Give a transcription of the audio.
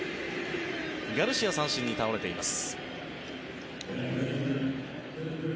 ガルシア、三振に倒れています。